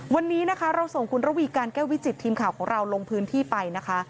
วันนี้นะคะเราส่งคุณระวีการแก้ววิจิตทีมข่าวของเราลงพื้นที่ไปนะคะ